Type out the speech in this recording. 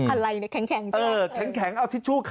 อะไรแข็งเออ